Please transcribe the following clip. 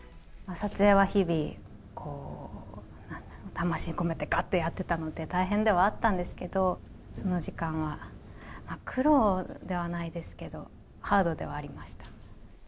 撮影は日々、魂込めてがっとやってたので、大変ではあったんですけど、その時間は苦労ではないですけど、ハードではありました。